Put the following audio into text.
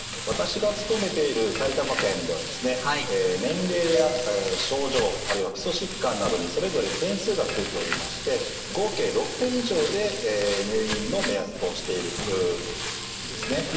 私が勤めている埼玉県では年齢や症状あるいは基礎疾患などにそれぞれ点数がついておりまして合計６点以上で入院の目安としているんですね。